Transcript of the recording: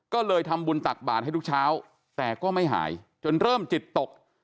ก็เลยทำบุญตักบาทให้ทุกเช้าแต่ก็ไม่หายจนเริ่มจิตตก